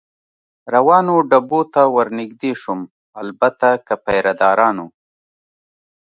روانو ډبو ته ور نږدې شوم، البته که پیره دارانو.